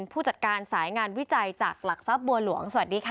ผู้จัดการสายงานวิจัยจากหลักทรัพย์บัวหลวงสวัสดีค่ะ